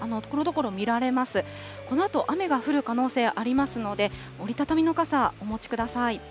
このあと雨が降る可能性ありますので、折り畳みの傘、お持ちください。